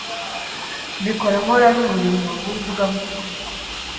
mbikora nkora n’umurimo w’ivugabutumwa